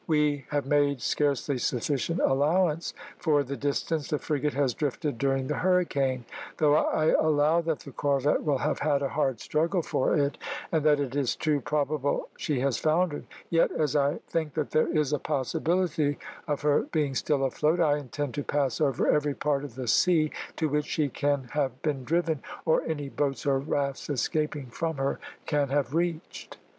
"We have made scarcely sufficient allowance for the distance the frigate has drifted during the hurricane. Though I allow that the corvette will have had a hard struggle for it, and that it is too probable she has foundered; yet, as I think that there is a possibility of her being still afloat, I intend to pass over every part of the sea to which she can have been driven, or any boats or rafts escaping from her can have reached."